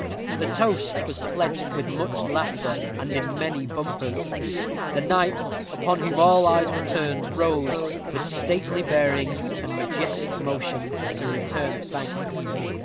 The toast was pledged with much laughter, and in many bumpers. The knight, upon whom all eyes were turned, rose, "with stately bearing and majestic motion," to return thanks.